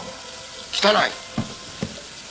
汚い。